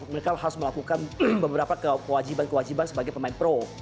mereka harus melakukan beberapa kewajiban kewajiban sebagai pemain pro